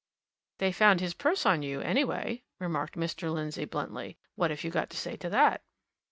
"They found his purse on you, anyway," remarked Mr. Lindsey bluntly. "What have you got to say to that?"